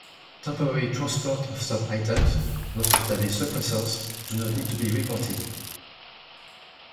Temporary transport of some items, most notably suppressors, do not need to be reported.